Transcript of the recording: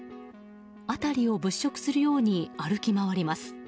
辺りを物色するように歩き回ります。